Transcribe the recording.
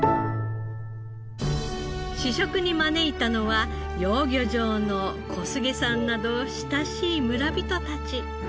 試食に招いたのは養魚場の古菅さんなど親しい村人たち。